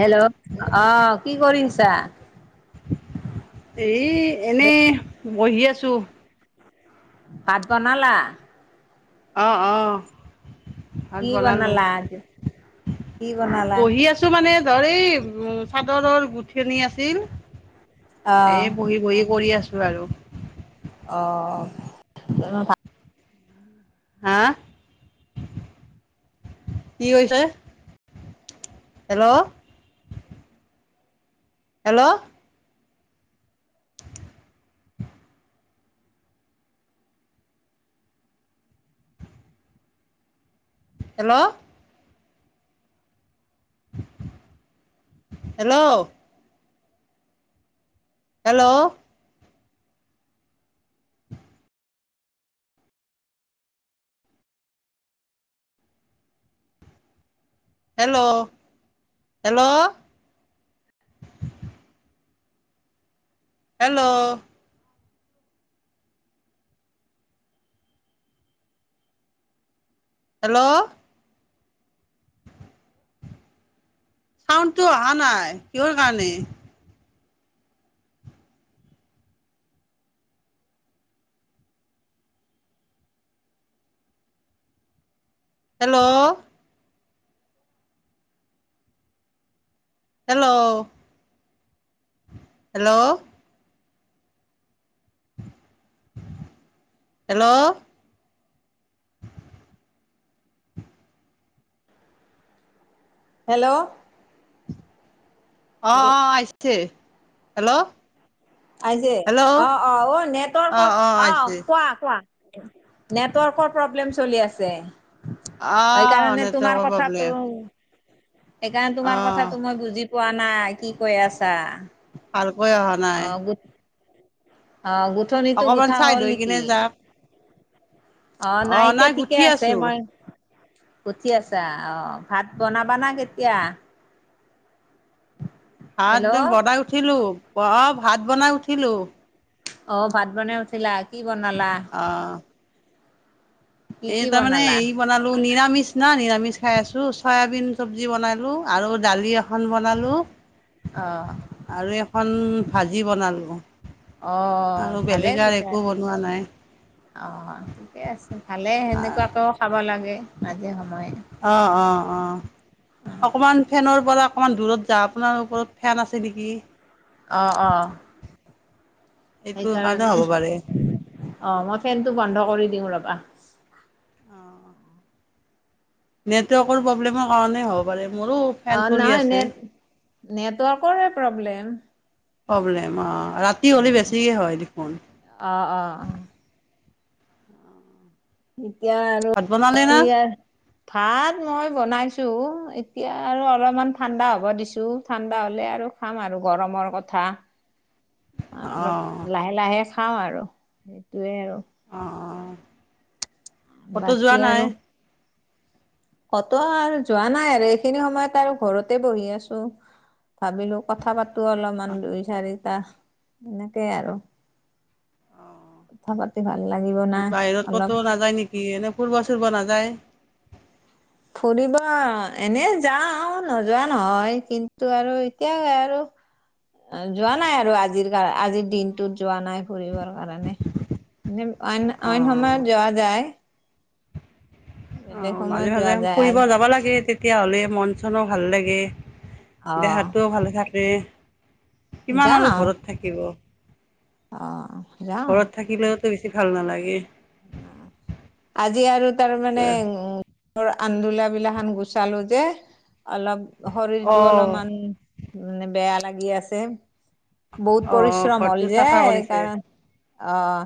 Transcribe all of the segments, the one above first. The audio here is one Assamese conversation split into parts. হেল্ল' আহ কি কৰিছা। এ এনেই বহি আছো। ভাত বনালা। আহ আহ। ভাত কি বনালো বনালা? কি বনালা? বহি আছো মানে। ধৰে এই উ চাদৰৰ গোঠনি আছিল। এ অ' বহি বহি কৰি আছো আৰু। অঁ। হা, কি হৈছে। Hello! Hello! Hello. Hello. Hello. Hello hello. Hello! Hello! চাউণ্ডটো অহা নাই কিহৰ কাৰণে। Hello! Hello hello! Hello! Hello. অ এ অ আহিছে হেল্ল'। আইছে হেল্ল' অ অ অ অঁ নেটৱৰ্কৰ অঁ অ আহিছে কোৱা কোৱা। নেটৱৰ্কৰ প্ৰব্লেম চলি আছে। সেই আহ কাৰণে তোমাৰ নেটৱৰ্কৰ কথাটো প্ৰব্লেম সেইকাৰণে তোমাৰ আহ কথাটো মই বুজি পোৱা নাই কি কৈ আছা। ভালকৈ অহা নাই। অ' গোট অ গুঠনিতো অকমান গোঠা চাইড হ'ল হৈ নেকি? কিনে যাক অ নাই এতিয়া ঠিকে আছে। মই উঠি আছা অ ভাত বনাবানা কেতিয়া? ভাত হেল্ল' বন বনাই উঠিলো, অ ভাত বনাই উঠিলো। অ ভাত বনাই উঠিলা, কি বনালা? অ কি কি এই তাৰমানে বনালা এই বনালো। নিৰামিষ না নিৰামিষ খাই আছো। চয়াবিন চব্জি বনালো আৰু দালি এখন বনালো। অ আৰু এখন ভাজি বনালো। অ আৰু বেলেগ ভালেই আৰু তেতিয়া একো বনোৱা নাই আৰু অ ঠিকে আছে, ভালে সেনেকুৱাকেও খাব লাগে মাজে সময়ে। অহ অহ অহ। অকমান ফেনৰ পৰা অকমান দূৰত যা আপোনাৰ ওপৰত ফেন আছে নেকি? আহ অ সেইটো কাৰণে সেইকাৰণে হ'ব পাৰে অ মই ফেনটো বন্ধ কৰি দিওঁ ৰবা। নেটৱৰ্কৰ প্ৰব্লেমৰ কাৰণে হ'ব পাৰে মোৰো ফেন চলি আছে। নেটৱৰ্কৰ প্ৰব্লেম। প্ৰব্লেম আহ ৰাতি হ'লে উম বেছিকে হয় দেখোন। অ অ অ এতিয়া আৰু ভাত বনালে ৰাতি না আৰ ভাত মই- বনাইছো এতিয়া আৰু অলপমান ঠাণ্ডা হ'ব দিছো। ঠাণ্ডা হলে আৰু খাম আৰু গৰম ৰ কথা অলপ অ' লাহে লাহে খাওঁ আৰু সেইটোয়ে আৰু। অঁ বাকি আৰু, ক-ত আৰু যোৱা নাই আৰু এইখিনি সময়ত আৰু ঘৰতে বহি আছো। ভাবিলো কথা পাতো অলপমান দুই চাৰিটা এনেকেই আৰু। কথা পাতি ভাল লাগিব না অঁ বাহিৰত অলপ ক'তো নাযায় নেকি? কি এনে ফুৰ-ব চুৰ-ব নাযায়? ফুৰিব এনেই যাওঁ, নোযোৱা নহয়, কিন্তু আৰু এতিয়া আৰু। যোৱা নাই আৰু আজিৰ কাৰ আজিৰ দিনটোত যোৱা নাই। ফুৰিবৰ কাৰণে অইন অইন অ' সময়ত যোৱা যায়। অ, বেলেগ সময়ত মাজে-মাজে যোৱা যায় আ ফুৰিব যাবা লাগে। তেতিয়া তেতিয়াহ'লে মন চনো ভাল লাগে, অ', দেহাটোও ভালে থাকে। কিমান আৰু যাওঁ ঘৰত থাকিব। অ ঘৰত থাকিলেওতো বেছি ভাল নালাগে। উ আজি আৰু তাৰ মানে উ অ আন্দোলা বিলাখান গুচালো যে, অলপ শৰীৰটো অ' অলপমান মানে বেয়া লাগি আছে। বহুত অ' পৰিশ্ৰম হল ঘৰটো যে চাফা কৰিছে এইকাৰণ, অহ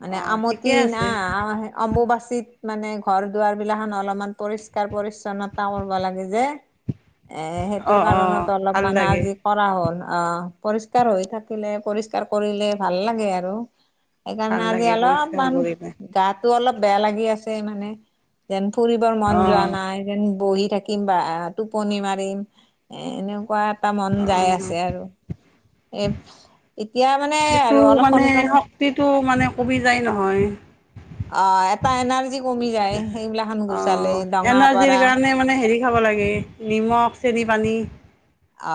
মানে অ' আমদ ঠিকে কিনা আছে আ অম্বুবাচীত মানে ঘৰ দুৱাৰ বিলাক অলপমান পৰিষ্কাৰ পৰি্ছন্নতা কৰিব লাগে যে। এ অ সেইটোৰ অ কাৰণত অলপ ভাল মান লাগে আজি কৰা হ'ল। অ পৰিষ্কাৰ হৈ থাকিলে পৰিষ্কাৰ কৰিলে ভাল লাগে আৰু। সেইকাৰণে আজি অলপ। কৰিমহে তাতো অলপ বেয়া লাগি আছে মানে, যেন ফুৰিবৰ মন অ যোৱা নাই, যেন বহি থাকিম বা টোপনি মাৰিম, এ এনেকুৱা এটা মন যাই আছে আৰু। এ এতিয়া মানে এইটো আৰু অলপ মানে সোনকালে শক্তিটো মানে কবি যায় নহয়। অ' এটা এনাৰ্জি কমি যায়। সেইবিলা খান অ গুচালে দঙা এনাৰ্জিৰ পাৰা কাৰণে মানে হেৰি খাব লাগে নিমখ, চেনি পানী।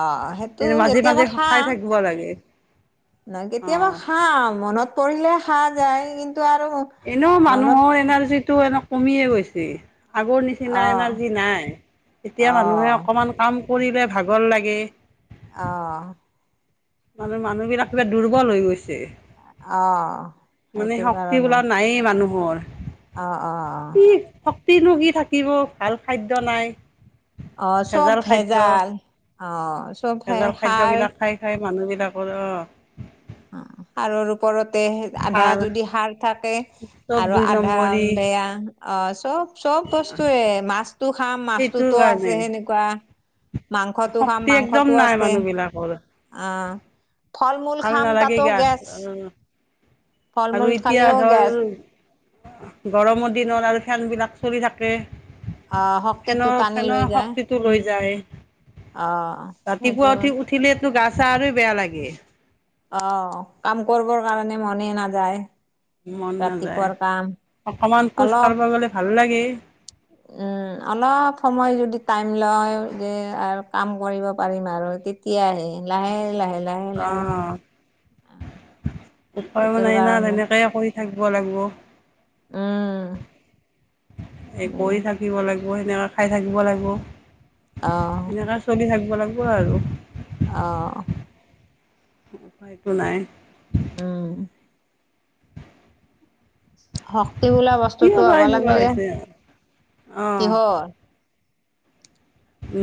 অ সেইটো মাজে মাজে সে খাই থাকিব লাগে। নহয় অ কেতিয়াবা খাম মনত পৰিলে খা যায়। কিন্ এনেও মানুহৰ এনাৰ্জি টো এনেক কমিয়ে গৈছে, আগৰ নিচিনা আহ এনাৰ্জি নাই। এতিয়া মানুহে আহ অকণমান কাম- কৰিলে ভাগৰ লাগে। আহ আমি মানুহ বিলাক কিবা দুৰ্বল হৈ গৈছে। আহ মানে সেইটোৰ শক্তি কাৰণে বোলা নাইে মানুহৰ। অ অ কি শক্তিনো কি থাকিব ভাল খাদ্য নাই। অ অ চব ভেজাল খাদ্য, ভেজাল অ চব ভেজাল খাদ্য সাৰ বিলাক খাই খাই মানুহ বিলাকৰ অ'। সাৰৰ ওপৰত। তে আধা সাৰ যদি সাৰ থাকে চব আৰু দুই আধা নম্বৰী বেয়া অ চব চব বস্তুয়ে মাছটো খাম সেইটোৰ মাছটোতো কাৰণে আছে সেনেকুৱা। মাংসটো খাম শক্তি একদম মাংসটো নাই আছে মানুহ বিলাকৰ অ ফল মূল ভাল খাম তাতো নালাগে। লাগে গা অ। গেছ [unintelligible] ফল আৰু মূল এতিয়া খালেও গল গেছ গৰমৰ দিনত আৰু ফেন বিলাক চলি থাকে। অ শক্তিটো ফেনৰ - টানি লৈ ফেনৰ যায় শক্তিটো লৈ যায়। অ সেইটো ৰাতিপুৱা উঠি - উঠিলেতো গা চা আৰুই বেয়া লাগে। অ কাম কৰিবৰ কাৰণে মনে নাযায়। মন নাযায়, ৰাতিপুৱাৰ কাম অকমান খোজ অলপ কাঢ়বা গ'লে ভাল লাগে। উম। অলপ সময় যদি টাইম লয় যে আৰু কাম কৰিব পাৰিম আৰু তেতিয়াহে। লাহে লাহে লাহে লাহে অ' উপায়ও সেইটোৰ নাই না কাৰণে তেনেকে কৰি থাকব লাগব। উম। এই কৰি উম, থাকিব লাগিব সেনেকা খাই থাকিব লাগিব, আহ সেনেকা চলি থাকিব। বনাব নোৱাৰো অহ। উপাইতো নাই। উম শক্তি বোলা কিয় বস্তুটো বা হ'বা এনেকুৱা লাগিলি, হৈছে অঁ কিহৰ?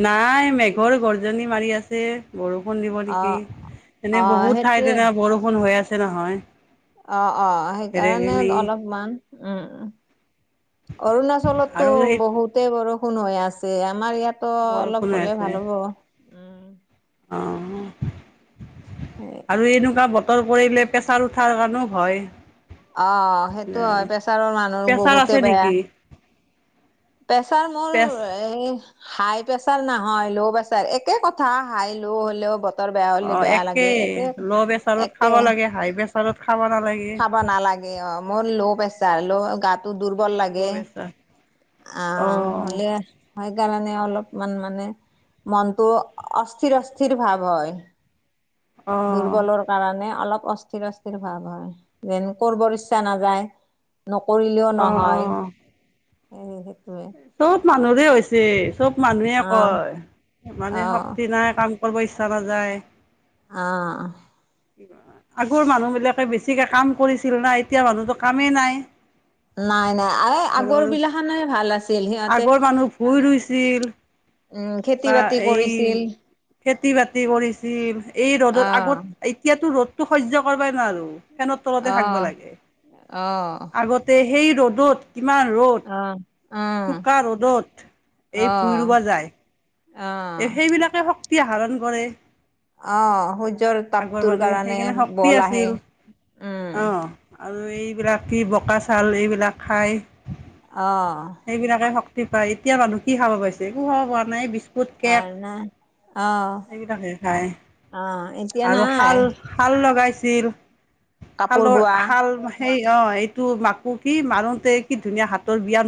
নাই মেঘৰ গৰ্জনী মাৰি আছে। বৰ ষুণ দিব অ নেকি। অ এনেই বহুত সেইটোৱে ঠাইত এনে বৰষুণ হৈ আছে নহয়। অ' অ' সেইকাৰণে ধেৰেকনি অলপমান, উম। অৰুণাচলতো আৰু সেই বহুতে বৰষু ষুন হৈ আছে, আমাৰ ইয়াতো বৰষুণ অলপ হলে ভাল হ'ব। উম। অ এ আৰু এনেকুৱা বত ত কৰিলে প্ৰেছাৰ উঠাৰ কাৰণেও ভয় অ' সেইটো হয় প্ৰেছাৰৰ মানুৰ প্ৰেছাৰ আছে বহুতে বেয়া। নেকি পেছাৰ মোৰ প্ৰেছ এ হাই প্ৰেচাৰ নাহয় ল' প্ৰেছাৰ একে কথা হাই ল' হলেও ব তাৰ বেয়া অ হ'লে, বেয়া লাগে। একেই ল' প্ৰেছাৰত একে-একে খাব লাগে হাই প্ৰেছাৰত খাব নালাগে খাব নালাগে অ', মোৰ ল' প্ৰেচাৰ ল' গাত টো দুৰ্বল লাগে, ল' প্ৰেছাৰ অ আহ হলে সেইকাৰণে অলপ মান মানে মনটো অস্থিৰ অস্থিৰ ভাৱ হয়। অ দুৰ্বলৰ কাৰণে অলপ অস্থিৰ অস্থিৰ। অ, যেন কৰিবৰ ইচ্ছা নাযায়, নকৰিলেও অ অ নহয়। [unintelligible] চব মানুহৰে হৈছে চব মানুহে আহ কয়, মানে আহ শক্তি নাই কাম কৰব ইচ্ছা নাযায়। আহ। আগৰ মানুহ বিলাকে বেছিকে কাম কৰিছিল না, এতিয়া মানুহতো কামে নাই। নাই নাই এই আগৰ ঘৰৰ বিলাখানে ভাল আছিল সিহঁতে আগৰ মানুহ ভুই ৰুইছিল উম, খেতি বা বাতি এই কৰিছিল। খেতি বাতি কৰিছিল, এই ৰ'দত আহ আগত এতিয়াতো ৰ'দতো সহ্য কৰবাই নোৱাৰোঁ। ফেনৰ তলতে থাকবা আহ লাগে। আহ আগতে সেই ৰ'দত কিমান ৰ'দ আহ উম চোকা ৰ'দত এই ভুই আহ ৰুবা যায়। আহ এ সেইবিলাকে শক্তি আহৰণ কৰে। অহ সূৰ্যৰ আগৰ তাপটোৰ মানুহে কাৰণে সেইকাৰণে শক্তি বল আহে আছিল উম। অঁ আৰু এইবিলাক কি বোকা চাউল এইবিলাক খায়। অহ। যি পাই, এতিয়া মানুহ কি খাব পাইছে, একো খাব পোৱা নাই! বিছ [unintelligible] সেইবিলাকে খাই আহ এতিয়া আৰু নাই শাল - শাল লগাইছ ছিল, কাপোৰ শালৰ বোৱা শাল সেই অ' এইটো মাকো কি মাৰোতে কি ধুনীয়া হাতৰ ব্যায়াম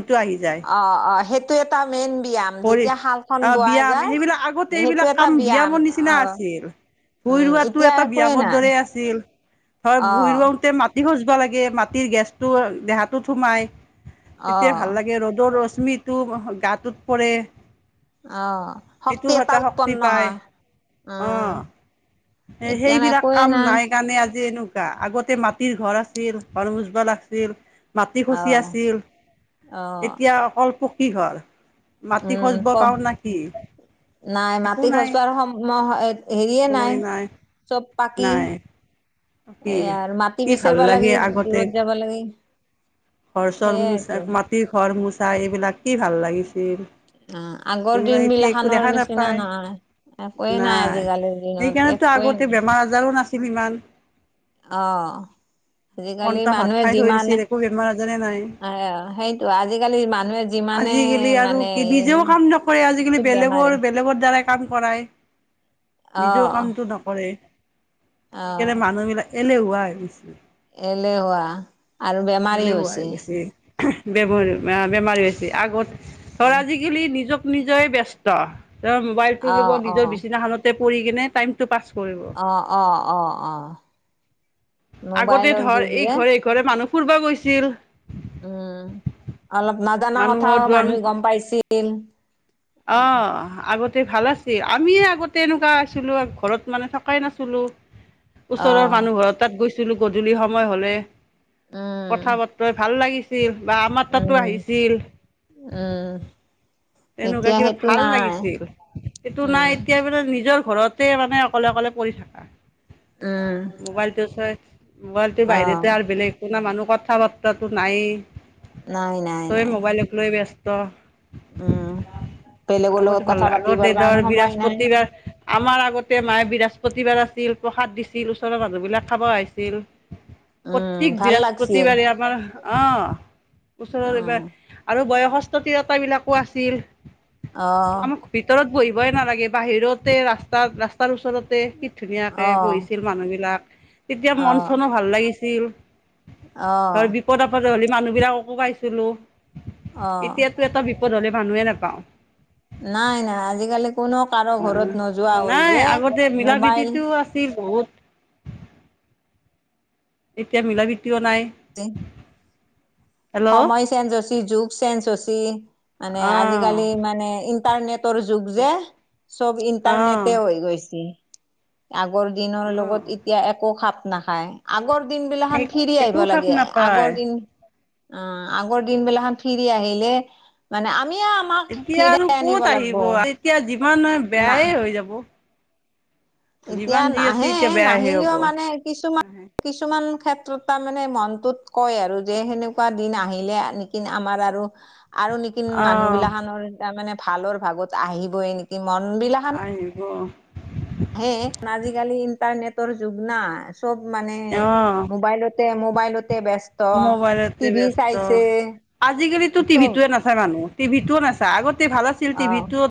অ অ সেইটো এটা মেইন ব্যায়াম কৰি যেতিয়া শালখন অ বোৱা ব্যায়াম যায় সেইবিলাক আগতে সেইটো এইবিলাক এটা কাম ব্যায়াম বিয়ামৰ নিচিনা অ আছিল। ভুই উম, ৰোৱাটো এতিয়া এটা একোৱেই ব্যায়ামৰ নাই। দৰে আছিল ভুই অ', ৰোওতে মাটি খজ লাগে মাটিৰ গেছতো দেহাটোত সোমাই তেতিয়া ভাল অ', লাগে ৰ'দৰ ৰদ স্মিটো গাটোত পৰে অ', সেটো শক্তি এটা সদায় শক্তি উৎপন্ন পায় হয়। উম, অহ। এ এতিয়া সেইবিলাক একোৱেই কাম নাই কাৰণে আজি এনো আগতে মাটিৰ ঘৰ আছিল ঘৰ মুচবা লাগিছিল মাটি খচি অ', আছিল অ', এতিয়া অকল পকী ঘৰ। মাটি উম, খজব প পাও না কি? নাই একো মাটি নাই খচবাৰ সময় হেৰিয়ে নাই চব পাকি। নাই কি এ মাটি কি ভাল বিচাৰ্বা লাগে লাগ্লি আগতে দূৰত যাবা লাগিল। ঘৰ চৰ মুচা, মাটিৰ ঘৰ মুচা এইবিলাক কি ভাল লাগিছিল। অ আগৰ এইবিলাক দিন এতিয়া একো বিলাখানৰ দেখা নিচিনা নাপায় নাই। একোৱেই নাই আজিকালিৰ দিনত সেইকাৰণেতো একোৱেই আগতে বেমাৰ আজাৰো নাছিল ইমান। অহ। আজিকালি পন্তা ভাত মানুহে খাই থৈ যিমানে দিছিল একো বেমাৰ আজাৰে নাই এ সেইটো আজিকালি মানুহে যিমান আজিকালি আৰু কি নিজেও কাম নকৰে আজিকালি চব বেমাৰী বেলেগৰ বেলেগৰ দ্বাৰা কাম কৰায় অ নিজেও কামটো নকৰে অ সেইকাৰণে মানুহবিলাক এলেহুৱা হৈ গৈছে। এলেহুৱা আৰু বেমাৰী হৈছি। বেমাৰ বেমাৰী হৈছি আগত ধৰ আজিকালি নিজক নিজয়ে ব্যস্ত। মোবাইল টো অ লব অ নিজৰ বিছনাখনতে পৰি কিনে টাইম টো পাছ কৰিব অহ অহ অহ অহ। আগতে ধৰ এইঘৰে এইঘৰে মানুহ ফুৰিব গৈছিল। উম অলপ নাজানা মানুহৰ কথাও দুৱাৰ মুখ মানুহে গম পাইছিল। অ আগতে ভাল আছ গ'ল আমি এ আগতে এনেকুৱা আছিলো ঘৰত মানে থকাই নাছিলো। অ ওচৰৰ মানুহ ঘৰৰ তাত গৈছিলো গধূলি সময় হলে উম কথা বতৰাই ভাল লাগিছিল। বা আমাৰ তাতো উম আহিছিল। উম তেনেকুৱা এতিয়া কিবা সেইটো ভাল নাই লাগিছিল হেইটো উম নাই এতিয়া মানে নিজৰ ঘৰতে মানে অকলে অকলে পৰি থাকা। উম মোবাইলটো চাই মোবাইলটোৰ অ বাহিৰতো আৰু বেলেগ না মানুহ কথা বাতৰাটো নায়েই নাই নাই চবেই নাই মোবাইলক লৈ ব্যস্ত উম। বেলেগৰ আগতে লগত ভাল কথা আগতে পাতিবৰ ধৰ কাৰণে সময় নাই বৃহস্পতিবাৰ আমাৰ আগতে মায়ে বৃহস্পতিবাৰ আছে ছিল প্ৰসাদ দিছিল ওচৰৰ মানুহ বিলাক খাব আহিছিল। প্ৰত্যেক উম ভাল লাগছিল বিৰাস্পতিবাৰে আমাৰ অহ ওচৰৰ উম আৰু বয়সস্থ তিৰতাবিলাকো আছিল। অ আমাক ভিতৰত বহিবই নালাগে বাহিৰতে ৰাস্তাত ৰাস্তাৰ ওচৰতে ধুনীয়াকে অ বহিছিল মানুহবিলাক। তেতিয়া অ মন চনো ভাল লাগিছিল অ ধৰ বিপদ আপদে হ'লি মানুহ বিলাককো পাইছিলো অ এতিয়াতো এটা বিপদ হ'লে মানুহে নেপাওঁ। নাই নাই আজিকালি কোনো কাৰো অ ঘৰত নোযোৱা হ'ল নাই যে আগতে মিলা মোবাইল প্ৰিতিটো আছিল বহুত। এতিয়া মিলা প্ৰীতিও নাই। হেল্ল' সময় চেঞ্জ হৈছি যুগ চেঞ্জ হৈছি মানে অঁ আজিকালি মানে ইণ্টাৰনেটৰ যুগ যে চব অঁ ইণ্টাৰনেটে হৈ গৈছি। আগৰ দিনৰ অঁ লগত এতিয়া একো খাপ নাখায় আগৰ দিন বিলা খান এক ফিৰি আহিব একো খাপ লাগে নাপায় আগৰ দিন অ আগৰ দিনবিলাখন ফিৰি আহিলে মানে আমিয়ে আমাক এতিয়া আৰু ফিৰাই আনিব কত লাগিব আহিব এতিয়া যিমান না বেয়ায়ে হৈ যাব। এতিয়া যিমান যি আছে নাহে এতিয়া বেয়াহে হ'ব নাহিলেও মানে কিছুমান নাহে কিছুমান ক্ষেত্ৰ ত তাৰ মানে মনটোত কয় আৰু যে সেনেকুৱা দিন আহিলে নেক আমাৰ আৰু আৰু নেকিন মানুহ অহ বিলাখনৰ তাৰ মানে ভালৰ ভাগত আহিবই নেকি। আহিব। হে আজিকালি ইণ্টাৰনেটৰ যুগ ন চব মানে অহ মোবাইলতে মোবাইলতে ব্যস্ত মোবাইলতে টিভি ব্যস্ত চাইছে। আজিকালিতো চব টিভিতো নাচাই মানুহ টিভিটোও নাচাই আগতে ভাল আছিল অ টিভিটোত।